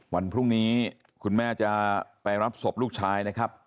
วันพรุ่งนี้คุณแม่จะไปรับศพลูกชายนะครับ